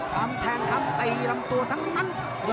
คำแทงคำตีลำตัวทั้งนั้น